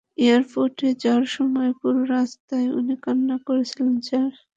এয়ারপোর্টে যাওয়ার সময় পুরো রাস্তায় উনি কান্না করছিলেন, স্যার।